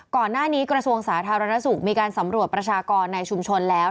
กระทรวงสาธารณสุขมีการสำรวจประชากรในชุมชนแล้ว